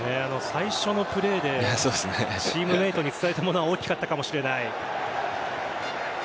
最初のプレーでチームメートに伝えたものは大きかったかもしれない。